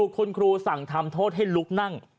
คุณครูสั่งทำโทษให้ลุกนั่ง